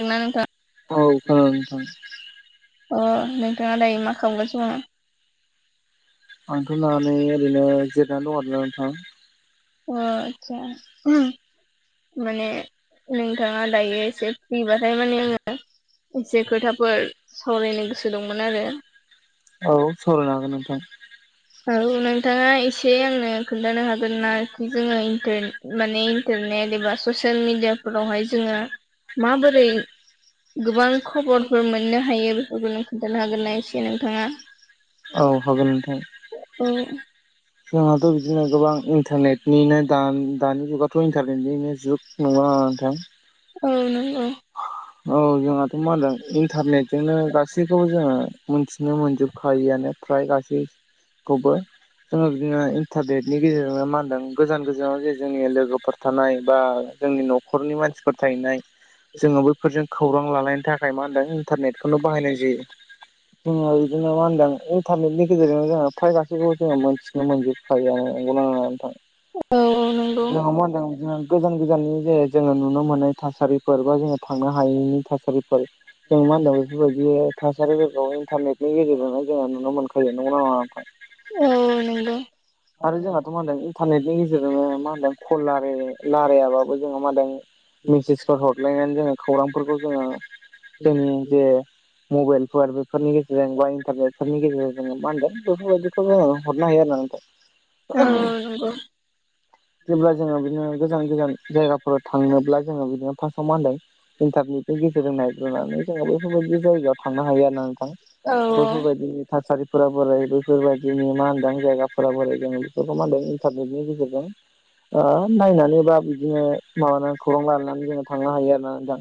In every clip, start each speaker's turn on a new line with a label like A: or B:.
A: खोनादों
B: औ
A: नोंथाङा
B: खोनादों
A: [unintelligible]
B: नोंथां
A: अ नोंथाङा दायो मा खालामगगसिनो दङ।
B: आंथ' नानै ओरैनो जिरनानै दं आरो ना नोंथां
A: अ आदसा। माने नोंथाङा दायो एसे फ्रिबाथाय माने आङो एसे खोथाफोर सावरायनो गोसो दंमोन आरो
B: औ सावरायनो हागोन नोंथां।
A: औ नोंथाङा एसे आंनो खोन्थानो हागोन नाखि जोङो इन्टारनेट माने इन्टारनेट एबा ससियेल मिडियाफोरावहाय जोङो माबोरै गोबां खबरफोर मोननो हायो बेफोरखौ नों खोन्थानो हागोन ना एसे नोंथाङा।
B: औ हागोन नोंथां।
A: औ
B: जोंहाथ' बिदिनो गोबां इन्टारनेटनिनो दा दानि जुगाथ' इन्टारनेटनिनो जुग नोगौना नोङा नोंथां।
A: औ नोंगौ
B: औ जोंहा मा होनदों इन्टारनेटजोंनो गासैखौबो जोङो मोनथिनो मोनजोबखायआनो फ्राय गासै खौबो जोङो बिदिनो इन्टारनेटनि गेजेरनो मा होनदों गोजान गोजानाव जे जोंनि लोगोफोर थानाय बा जोंनि न'खरनि मानसिफोर थाहैनाय जोङो बैफोरजों खौरां लालायनि थाखाय मा होनदों इन्टारनेटखौनो बाहायनाय जायो। जोङो बिदिनो मा होनदों इन्टारनेटनि गेजेरजोंनो जोङो फाइ गाससिखौबो जोङो मोनन्थिनो मोनजोब फ्रायानो नोंगौना नोङा नोंथां।
A: औ नंगौ
B: जोंङो मा होनदों बिदिनो गोजान गोजाननि जे जोङो नुनो मोननाय थासारि फोरबा जोङो थांनो हायैनि थासारिफोर जों मा होनो बेफोरबायदि थासारिफोरखौ इन्टारनेटनि गेजेरजोंनो जोङो नुनो मोनखायो नंगौना नङा ओमफाय
A: औ नंगौ।
B: आरो जोंहाथ' मा होनदों इन्टारनेटनि गेजेरजोंनो मा होनदों कल लारे रलायाबाबो जोंहा मा होनादों मेसेजफोर हरलायनानै जोङो खौरांफोरखौ जोङो जोंनि जे मबाइलफोर बेफोरनि गेजेरजों बा इन्टारनेटफोरनि गेजेरजों जोङो मा होनदों बेफोरबायदिखौ जोङो हरनो हायो आरो ना नों
A: औ नंगौ
B: [inaudible] जेब्ला जोङो बिदिनो गोजान गोजान जायगाफोराव थांनोब्ला जोङो बिदिनो फार्स्टाव मान होनदों इन्टारनेटनि गेजेरजों नायग्रोनानै जों बेफोरबायदि जायगायाव थांनो हायो ना नों थां
A: औ औ
B: बैफोरबायाददि थासारिफोरा बोरै बैफोरबायाददिनि मा होनदां जायगाफोरा बोरै जों बेफोरखौ मादों इन्टारनेटनि गेजेरजों ओ नायनानै बा बिदिनो माबानानै खौरां लानानै जोङो थांनो हायो आरो ना नोंथां।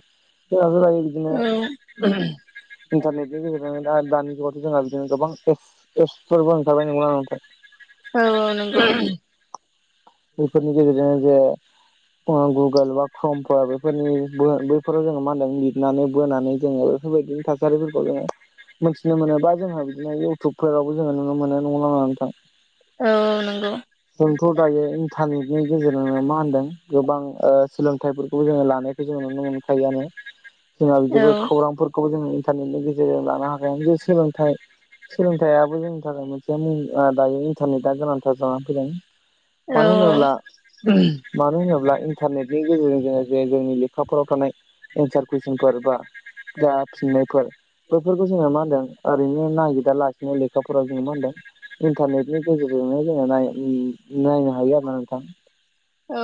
B: जोंनाथ' दायो बिदिनो
A: औ
B: इन्टारनेटजोंनो दा दानि जुगावथ' जोंहा बिदिनो गोबां एफस एसस फोरबो ओंखारबाय नंगौना नङा नोंथां।
A: औ नंगौ
B: बेफोरनि गेजेरजोंनो जे अ गुगोल बा कर्म फोराबो फोरनि बो बैफोराव जोङो मा होनदों लिरनानै बोनानै जोङो बेफोरबायदि थासारिफोरखौ जोङो मोन्थिनो मोन बा जोंहा बिदिनो इउथटुबफोरावबो जोङो नुनो मोनो नंगौना नङा नोंथां।
A: औ नंगौ।
B: जोंथ' दायो इन्टारनेटनि गेजेरजोंनो मा होनदों गोबां ओ सोलोंथाइफोरखौ जोङो लानाय जों नुनो मोनखायो आनो जोंहा
A: औ औ
B: बिदिबो खौरांफोरखौबो जोङो इन्टारनेटनि गेजेरजों लानो हाखाया जे सोलोंथाइ सोलोंथायाबो जोंनि थाखाय मोनसे मुं ओ दायो इन्टारनेटआ गोनांथार जानानै फैदों।
A: औ
B: मानो होनोब्ला मानो होनोब्ला इन्टारनेटनि गेजेरजों जोङो जे जोंनि लेखाफोराव थानाय एन्सार कुइसनफोर बा जा फिननायफोर बेफोरखौ जोङो मा होनदों ओरैनो नागिदा लासिनो लेखाफोराव जोङो मा होनदों इन्टारनेट नि गेजेरजोंनो जोङो नाय उम नायनो हायो आरोना नोंथां।
A: औ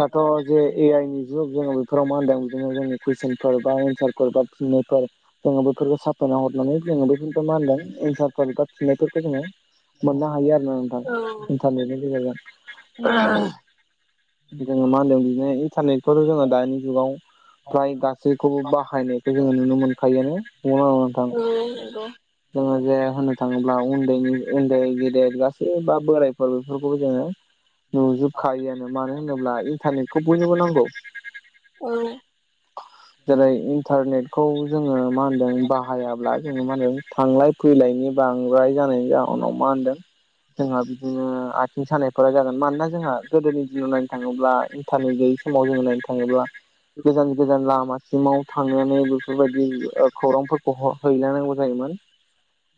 B: दाथ' जे ए आइनि जुग जोङो बेफोराव मा होनदों बिदिनो जों कुइसनफोर बा एनसारफोर बा फिननायफोर जोङो बेफोरखौ साफायना हरनानै जोङो बेफोरखौ मा होनदों एन्सारफोर बा थिनायफोरखौ जोङो मोननो हायो आरोना
A: औ
B: नोंथां इन्टारनेटनि
A: नंगौ औ
B: गेजेरजों। जोङो मा होनदों बिदिनो इन्टारनेटखौथ' जोङो दानि जुगाव फ्राय गासैखौबो बाहायनायखौ जोङो नुनो मोनखायोआनो नंना नङा? नोंथां?
A: औ नोंगौ।
B: जोङो जे होननो थाङोब्ला उन्दैनि उन्दै गेदेर गासै बा बोरायफोर बेफोरखौबो जोङो नुजोबखायोआनो मानो होनोब्ला इन्टारनेटखौ बयनोबो नांगौ।
A: औ
B: [inaudible] जेरै इन्टारनेट खौ जोङो मा होनदों बाहायाब्ला जोङो मा होनो थांलाय फैलायनि बांद्राय जानायनि जा उनाव मा होनदों जोंहा बिदिनो आथिं सानायफोरा जागोन मानोना जोंहा गोदोनि दिनाव नायनो थाङोब्ला थारनेट गैयै समाव जों नायनो थाङोब्ला गोजान गोजान लामा सिमाव थांनानै बैफोरबायदि ओ खौरांफोरखौ हर हैलायनांगौ जायोमोन।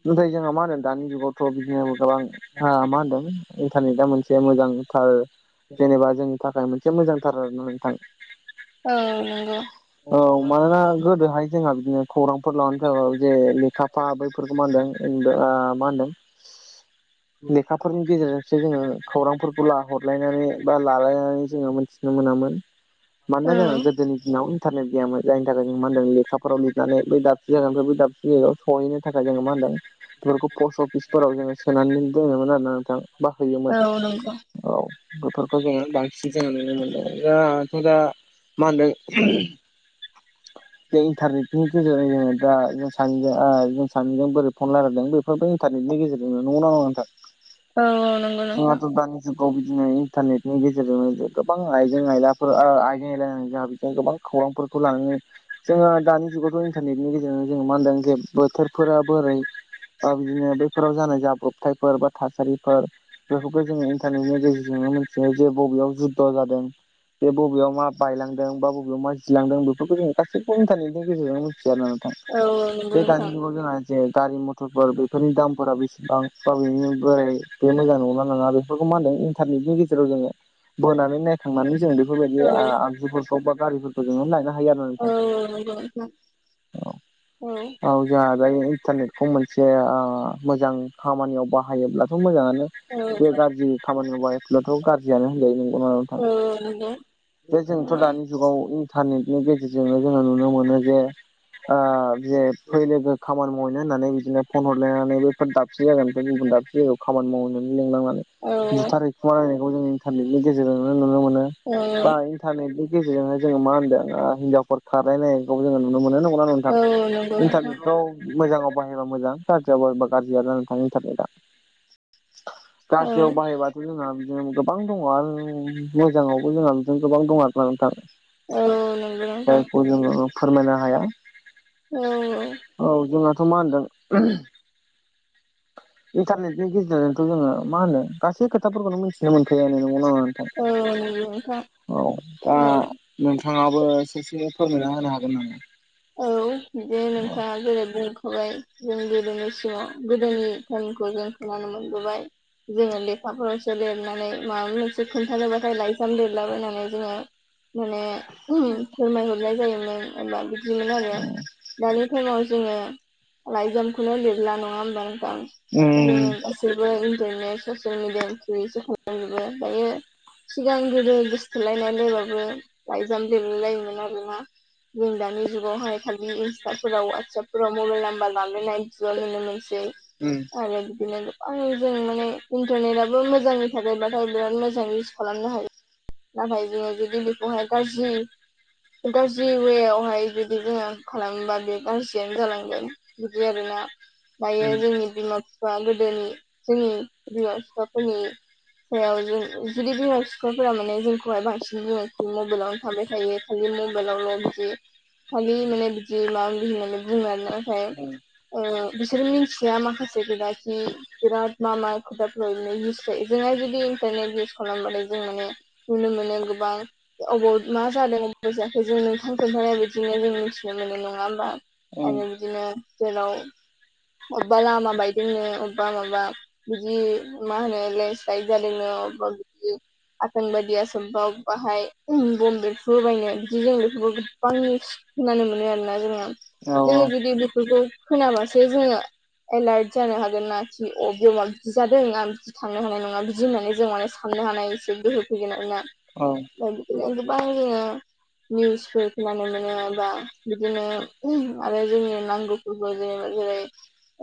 B: नोथाय जोंहा मा होनो दानि जुगावथ' बिदिनो गोबां आ मा होनदों इन्टारनेटा मोनसे मोजांथार जेनेबा जों थाखाय मोनसे मोजांथार नोंथां।
A: औ नंगौ
B: औ मानोना गोदोहाय जोंहा बिदिनो खौरांफोर [unintelligible] लेखाफा बैफोरखौ मा होनदों [unintelligible] मा होन्दों लेखाफोरनि गेजेरजों से जोङो खौरांफोरखौ ला हरलायनानै बा लालायनानै जोङो मोनथिनो मोनामोन। मानोना जोङा गोदोनि दिनाव इन्टारनेट गैयामोन जायनि थाखाय जों मा होनदों लेखाफोराव लिरनानै बै दाबसे जागानिफ्राय बै दाबसे जायगायाव सहैनो थाखाय जोङो मा होनदों बेफोरखौ पस्ट अफिसफोराव जोङो सोनानै दोनोमोन आरोना नोंथां बा
A: औ
B: हैयोमोन।
A: नंगौ नोंथां
B: औ बेफोरखौ जोङो बांसिन जोङो नुनो मोनदों जाथ' दा मा होनदों बे इन्टारनेटनि [unintelligible] जों सानैजों ओ जों सानैजों बोरै फन लारायदों बेफोरबो इन्टार नेटनि गेजेरजों नंना नङा नोंथां
A: औ औ नंगौ नोंथां
B: जोंहाथ' दा जुगाव बिदिनो इन्टारनेटनि गेजेरजोंनो गोबां आइजें आयलाफोर आर आइजें [unintelligible] गोबां खौरांफोरखौ लानानै जोङो दानि जुगावथ' इन्टारनेटनि गेजेरजों जों मा होनदों जे बोथोरफोरा बोरै बा दिनो बैफोराव जानाय जाब्रबथायफोर बा थासारिफोर बेखौबो जोङो इन्टारनेटनि गेजेरजोंनो मिथियो जे बबेयाव जुद्ध जादों। बे बबेयाव मा बायलांदों बा बबेयाव मा जिलांदों बेफोरखौ जोङो गासैबो इन्टारनेटनि
A: औ औ
B: [unintelligible]
A: नंगौ
B: जे दानि
A: नोंथां
B: जुगाव जोङा जे गारि मथरफोर बेफोरनि दाम फोरा बेसेबां बा बेनि बोराय बे मोजां नंना नङा बेफोरखौ मा होनदों इन्टारनेटनि गेजेराव जोङो बोनानै नायखांनानै जों बेफोरबायदि
A: औ
B: आ आगजुफोरखौ बा गारिफोरखौ जोङो नायना हायो आरो नोंथां
A: औ औ नंगौ औ नंगौ नोंथां औ नंगौ नोंथां
B: औ औ। जोंहा जायो इन्टारनेटखौ मोनसे ओ मोजां खामानियाव बाहायोब्लाथ' मोजाङानो। बे गाज्रि खामानियाव बाहायब्लाथ' गाज्रियानो होनजायो नंगौना बे जोंथ' दानि जुगाव इन्टारनेटनि गेजेरजोंनो जोङो नुनो मोनो जे ओ जे फैलोगो खामानि मावहैनो होननानै बिदिनो फन हरलायनानै बे दाबसे जायगानिफ्राय गुबुन दाबसे जायगायाव खामानि मावनो होनना लिंलांनानै बुथार है खुमालायनायखौ जों इन्टारनेटनि गेजेरजोंनो नुनो मोनो बाय इन्टारनेटनि गेजेरजोंनो जोङो मा होनदों हिनजावफोर खारलायनायखौ नुनो मोनो नंगौ ना नोंथां इन्टारनेटफ्राव मोजाङाव बाहायबा मोजां गाज्रियाव बाहायबा गाज्रिया जानानै थाङो इन्टारनेटआ गाज्रियाव बाहायबाथ' बिदिनो गोबां दङ आरो मोजाङावबो जोंहा बिदिनो गोबां दं आरो ना नोंथां जायखौ जोङो फोरमायनो हाया औ जोंनाथ' मा होनदों इन्टारनेटनि गेजेरजोंथ' जोङो मा होनो गासै खोथाफोरखौनो मिथि मोनखायोआनो नंगौ ना नङा नोंथां औ दा
A: औ
B: नोंथाङाबो ससेनो फोरमायना होनो हागोन नामा?
A: औ जे नोंथाङा जेरै बुंखाबाय जों गोदोनि सिगांआव गोदोनि खौ जों खोनानो मोनबोबाय जोङो लेखाफोराव लेरनानै माबा मोनसे खोन्थानोब्लाथाय लाइजाम लेरलाबायनानै जोङो माने फोरमायहरनाय जायोमोन होनबा बिदिमोन आरो दानि टाइमाव जोङो लाइजामखौनो लिरला नङा होमबा नोंथां
B: उम
A: बिदिनो गासैबो इन्टारनेट ससियेल मिडियानिख्रुइसो हमलां जोबो ओमफायो सिगां गोदो गोसथोलायनाय लायबाबो लायजाम लिरलायलायोमोन आरोना जों दानि जुगावहाय खालि इन्स्टाफोराव वाट्सपफोराव मबाइल नाम्बार लालायनानैसो नुनो मोनसै
B: उम
A: आरो बिदिनो गोबां जों माने इन्टारनेटाबो मोजांनि थाखाय बा ओमफ्राय बिराद मोजां इउस खालामनो हायो नाथाय जोङो जुदि बेखौहाय गाज्रि गाज्रि उए आवहाय बे दि जोङो खालामोबा बे गाज्रियानो जालांगोन बिदि आरोना दायो
B: उम
A: जोंनि बिमा-बिफा गोदोनि जोंनि बिमा-बिफाफोरनि सायाव जों जुदि बिमा-फिफाफोरा माने जोंखौहाय बांसिन बुङो मबाइलावनो थाबाय थायो खालि मबाइल [unintelligible] लावल' बिदि खालि माने बिदि माबा माबि होननानै बुङो आरो
B: उम
A: नाथाय बिसोर मिथिया माखासे खोदाखि बिराद मा मा खोथाफ्राव बिदिनो इउस जायो जोंहा जुदि इन्टारनेट इउस खालामबाथाय जों माने नुनो मोनो गोबां अबाव मा जादों अबाव जायाखै जों नोंथां खोन्थानाय बिदि बिदिनो जों मिथिनो मोनो नङा होमा
B: उम
A: आरो बिदिनो जेराव अबबा लामा बायदोंनो अबबा माबा बिदि मा होनो लेनसलाइद जादोंनो अबा बिदि आतांबादिया आसामफ्राव बाहाय बम बेफ्रुहोबायनो बिदि जों बेफोरबो गोबां निउस खोनानो मोनो आरोना जोंनियाव
B: औ
A: जोङो बिदि जुदि बेफोरखौ खोनाबासो जोङो एलार्ट जानो हागोन नाखि अ बेयाव माबा बि जादों आं बिदि थांनो हानाय नङा बिदि होननानै जों माने साननो हानाय एसे गोहो फैगोन आरोना
B: औ
A: ओमफ्राय गोबां जोङो निउसफोर खोनानो मोन दोंबा बिदिनो आरो जोंनि नांगौफोरखौ जेनेबा जेरै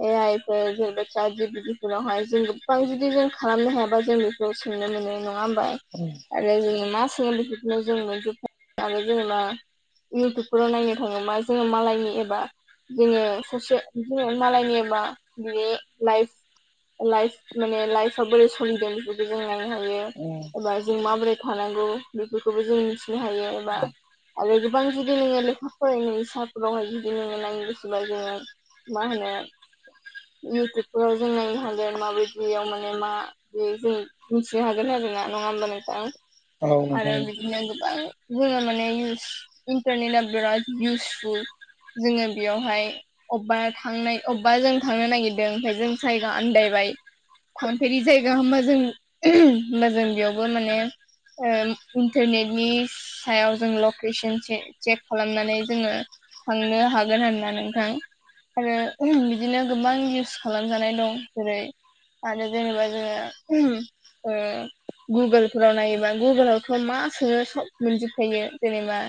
A: ए आइ फोर जेनेबा चाट जि पि डि फोरावहाय जों गोबां जुदि जों खालामनो हायाबा जोंनि बेखौ सोंनो मोनो नङा होनबा
B: उम
A: आरो जोङो मा सोङो बेफोरखौनो जों आरो जेनेबा इउटुबफोराव नायनो थाङोबा जोङो मालायनि एबा जोङो सासे जोङो मालायनिबा बिनि लाइफ लाइफ माने लाइफ बोरै सलिदों बिदि जों नायनो हायो
B: उम
A: एबा जों माबोरै थानांगौ बेफोरखौबो जों मिथिनो हायो एबा आरो गोबां जुदि नोङो लेखा फरायनाय सारफोरावहाय जुदि नोङो नायनो गोसोबा जोङो मा होनो इउटुबफोराव जों नायनो हागोन माबायदियाव माने मा बे जों मिथिनो हागोन आरोना, नङा होमबा नोंथां?
B: औ
A: आरो
B: नोंथां
A: बिदिनो गोबां जोङो माने इउस इन्टारनेटआ बिराद इउसफुल जोङो बेयावहाय अबेबा थांनाय अबेबा जों थांनो नागिरदों ओमफ्राय जों जायगा आन्दायबायाय, थांफेरि जाय गा होनबा जों, होनबा जों बेयावबो माने इन्टारनेटनि सायाव जों लकेसन चे-चेक खालामनानै जोङो थांनो हागोन होनना नोंथां आरो बिदिनो गोबां इउस खालामजानाय दं जेरै आरो जेनेबा जोङो ओ गुगोलफोराव नायोबा गुगोलावथ' मा सोङो सब मोनजोबखायो जेनेबा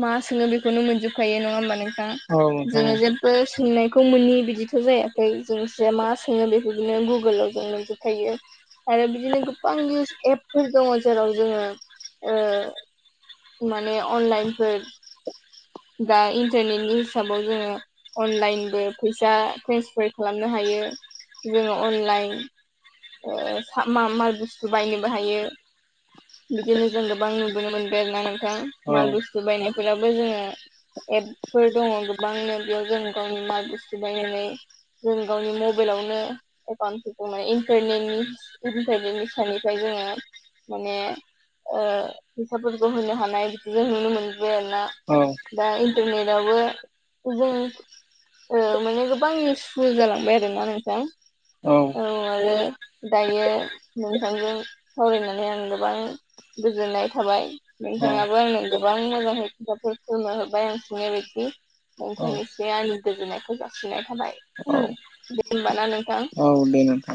A: मा सोङो बेखौनो मोनजोबखायो नङा होमबा नोंथां जोङो जे बो सोंनायखौ मोनोनि बिदिथ' जायाखै जों जे मा सोङो बेखौनो गुगोलाव जों मोनजोबखायो। आरो बिदिनो गोबां इउस एपफोर दङ जेराव जोङो ओ माने अनलाइनफोर। दा इन्टारनेटनि हिसाबाव जोङो अनलाइनबो फैसा ट्रेन्सफार खालामनो हायो। जोङो अनलाइन ओ सा मा-माल बुस्थु बायनोबो हायो। बिदिनो जों गोबां नुबोनो मोनबाय आरोना नोंथां
B: औ
A: माल बुस्थु बायनायफोरावबो जोङो एपफोर दङ गोबांनो बेयाव जों गावनि माल बुस्थु बायनानै जों गावनि मबाइलावनो एकाउन्टफोरखौ माने इन्टारनेटनि इन्टारनेट [unintelligible] निफ्राय सानिफ्राय जोङो माने ओ फैसाफोरखौ होनो हानाय बिदिजों नुनो मोनबोबाय आरोना।
B: औ
A: दा इन्टारनेटआवबो जों ओ माने गोबां इउसफुल जालांबाय आरोना नोंथां। औ आरो दायो नोंथांजों सावरायनानै आं गोबां गोजोननाय थाबाय नोंथाङाबो आंनो गोबां मोजां खोथाफोर खुमना होबाय आं सोंनाय बायदि।
B: औ
A: नोंथांनिसिम आंनि गोजोननायखौ जासिननाय थाबाय।
B: औ
A: दे होमबा ना नोंथां?
B: औ दे नोंथां।